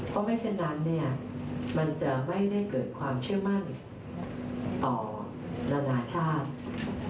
เพราะไม่เช่นนั้นเนี่ยมันจะไม่ได้เกิดความเชื่อมั่นต่อนานาชาติ